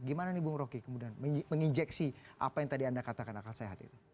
gimana nih bung roky kemudian menginjeksi apa yang tadi anda katakan akal sehat itu